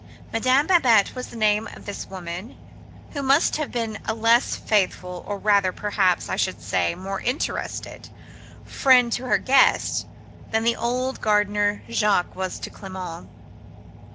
Madame Babette was the name of this woman, who must have been a less faithful—or rather, perhaps, I should say, a more interested—friend to her guest than the old gardener Jaques was to Clement.